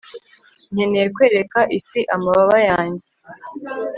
nkeneye kwereka isi amababa yanjye